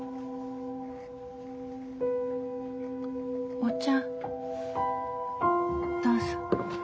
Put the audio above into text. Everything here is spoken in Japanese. お茶どうぞ。